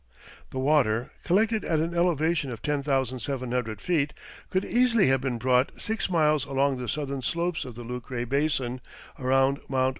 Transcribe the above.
The water, collected at an elevation of 10,700 feet, could easily have been brought six miles along the southern slopes of the Lucre Basin, around Mt.